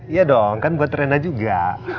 iya dong kan gue terendah juga